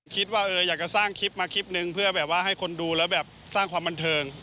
คิดว่าอยากจะสร้างคลิปมาคลิปนึงเพื่อแบบว่าให้คนดูแล้วแบบสร้างความบันเทิง